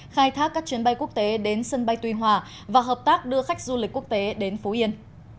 khai thác các chuyến bay quốc tế đến sân bay tuy hòa và hợp tác đưa khách du lịch quốc tế đến phú yên